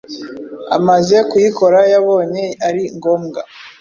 Amaze kuyikora yabonye ari ngombwa